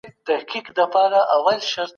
تر راتلونکي مياشتې به يې ډېري سختۍ قرباني کړي وي.